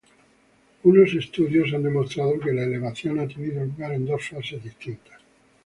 Unos estudios han demostrado que la elevación ha tenido lugar en dos fases distintas.